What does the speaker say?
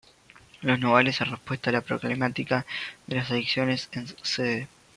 Los Nogales, en respuesta a la problemática de las adicciones en Cd.